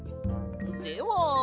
では。